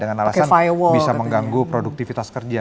dengan alasan bisa mengganggu produktivitas kerja